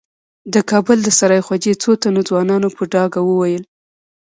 د کابل د سرای خوجې څو تنو ځوانانو په ډاګه وويل.